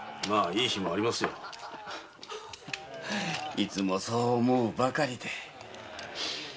いつもそう思うばかりで。